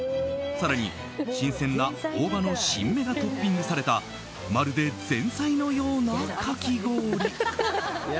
更に新鮮な大葉の新芽がトッピングされたまるで前菜のようなかき氷。